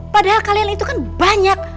padahal kalian itu kan banyak